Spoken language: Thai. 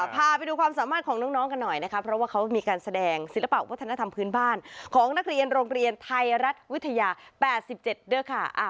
พาไปดูความสามารถของน้องกันหน่อยนะคะเพราะว่าเขามีการแสดงศิลปะวัฒนธรรมพื้นบ้านของนักเรียนโรงเรียนไทยรัฐวิทยา๘๗ด้วยค่ะ